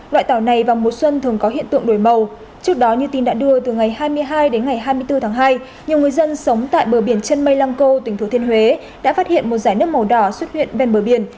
loại tàu này vào mùa xuân thường có hiện tượng đổi màu trước đó như tin đã đưa từ ngày hai mươi hai đến ngày hai mươi bốn tháng hai nhiều người dân sống tại bờ biển chân mây lăng cô tỉnh thừa thiên huế đã phát hiện một giải nước màu đỏ xuất hiện ven bờ biển